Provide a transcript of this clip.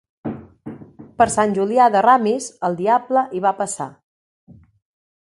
Per Sant Julià de Ramis, el diable hi va passar.